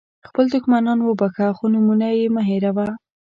خپل دښمنان وبخښه خو نومونه یې مه هېروه.